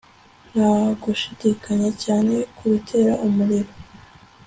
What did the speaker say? nta gushidikanya cyane kubitera umuriro